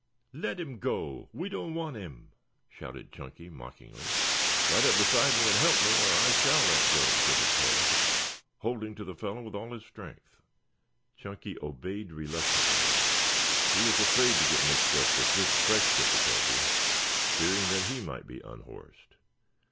"Let him go! We don't want him," shouted Chunky mockingly. "Ride up beside me and help me, or I shall let go," gritted Tad, holding to the fellow with all his strength. Chunky obeyed reluctantly. He was afraid to get mixed up with this fresh difficulty, fearing that he might be unhorsed.